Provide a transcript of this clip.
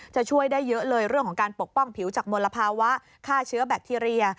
ช่วยได้เยอะเลยเรื่องของการปกป้องผิวจากมลภาวะฆ่าเชื้อแบคทีเรีย